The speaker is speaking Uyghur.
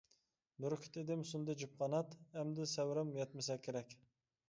بۈركۈت ئىدىم سۇندى جۈپ قانات، ئەمدى سەۋرىم يەتمىسە كېرەك.